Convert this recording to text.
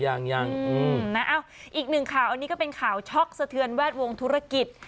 ยังยังอีกหนึ่งข่าวอันนี้ก็เป็นข่าวช็อกสะเทือนแวดวงธุรกิจ